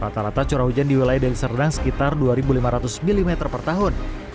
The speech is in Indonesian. rata rata curah hujan di wilayah deli serdang sekitar dua lima ratus mm per tahun